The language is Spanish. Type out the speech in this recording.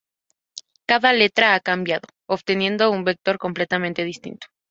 Cada letra ha cambiado, obteniendo un vector completamente distinto.